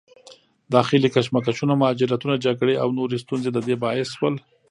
داخلي کشمکشونه، مهاجرتونه، جګړې او نورې ستونزې د دې باعث شول